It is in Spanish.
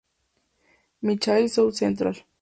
Michael South Central.